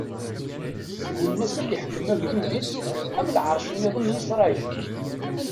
Lwennas ad iḥkem agdud-is, am leɛṛac-nniḍen n Isṛayil.